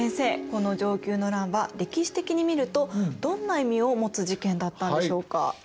この承久の乱は歴史的に見るとどんな意味を持つ事件だったんでしょうか？